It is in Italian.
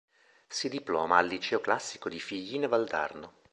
Si diploma al liceo classico di Figline Valdarno.